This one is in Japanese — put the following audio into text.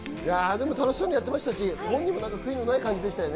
でも、楽しそうにやってましたし、悔いのない感じでしたね。